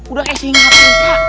udah kayak singapun kak